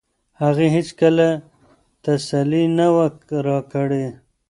هغې هیڅکله تسلي نه وه راکړې.